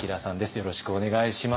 よろしくお願いします。